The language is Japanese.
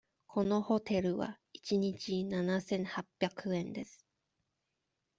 このホテルは一日七千八百円です。